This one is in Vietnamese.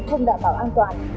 không đảm bảo an toàn